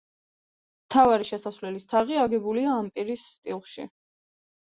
მთავარი შესასვლელის თაღი აგებულია ამპირის სტილში.